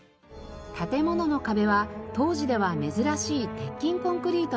建物の壁は当時では珍しい鉄筋コンクリートの２重構造。